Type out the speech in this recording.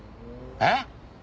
えっ？